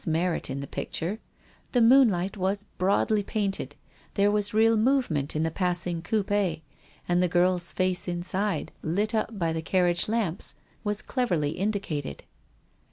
After all, Mary thought, there were points in the picture — the moonlight was broadly painted, there was real movement in the passing coup6, and the girl's face inside, lit up by the carriage lamps, was cleverly indicated.